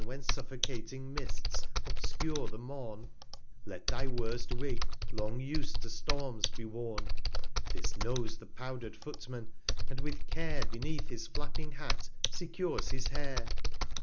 When suffocating Mists obscure the Morn, 125 Let thy worst Wig, long us'd to Storms, be worn; This knows the powder'd Footman, and with Care, Beneath his flapping Hat, secures his Hair.